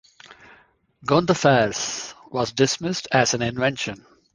"Gondophares" was dismissed as an invention.